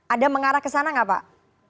ada mengarah ke sana nggak pak